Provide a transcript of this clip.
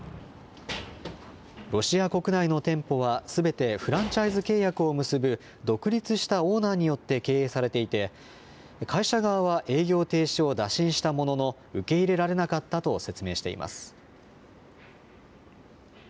ロシア国内の店舗はすべてフランチャイズ契約を結ぶ独立したオーナーによって経営されていて会社側は営業停止を打診したものの受け入れられなかったと説明しています。